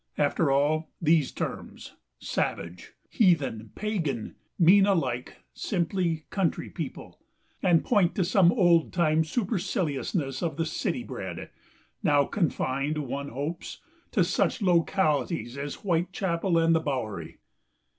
After all, these terms "savage," "heathen," "pagan" mean, alike, simply "country people," and point to some old time superciliousness of the city bred, now confined, one hopes, to such localities as Whitechapel and the Bowery.